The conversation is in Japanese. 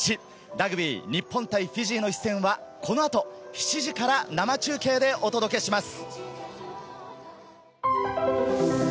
ラグビー、日本対フィジーの一戦は、このあと７時から、生中継でお届けします。